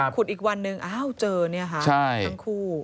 ขุดอีกวันหนึ่งเจอทั้งคู่